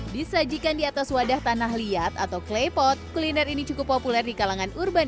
disajikan di atas wadah tanah liat atau klepot kuliner ini cukup populer di kalangan urban